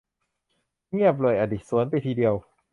เงียบเลยอะดิ สวนไปทีเดียว